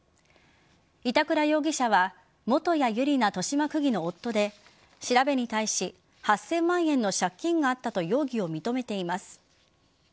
板倉容疑者は元谷ゆりな豊島区議の夫で調べに対し８０００万円の借金があったと容疑を認めています。